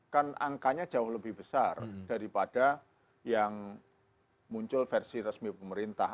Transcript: kan angkanya jauh lebih besar daripada yang muncul versi resmi pemerintah